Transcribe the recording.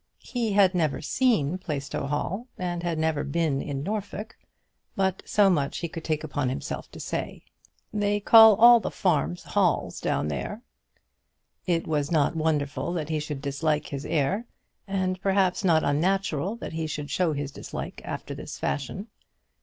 He had never seen Plaistow Hall, and had never been in Norfolk; but so much he could take upon himself to say, "They call all the farms halls down there." It was not wonderful that he should dislike his heir; and, perhaps, not unnatural that he should show his dislike after this fashion.